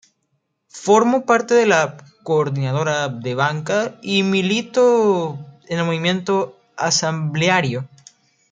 Formó parte de la "Coordinadora de Banca" y militó en el movimiento asambleario.